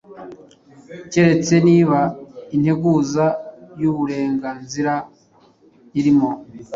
keretse niba integuza yuburenganzira irimo